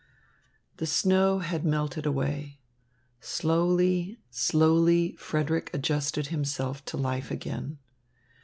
The snow had melted away. Slowly, slowly Frederick adjusted himself to life again.